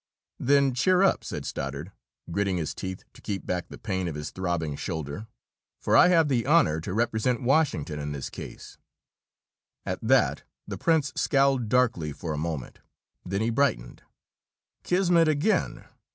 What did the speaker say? "Then cheer up!" said Stoddard, gritting his teeth to keep back the pain of his throbbing shoulder. "For I have the honor to represent Washington in this case." At that, the prince scowled darkly for a moment. Then he brightened. "Kismet again!